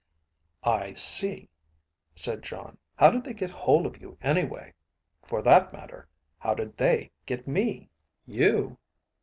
"I see," said Jon. "How did they get hold of you, anyway? For that matter, how did they get me?" "You?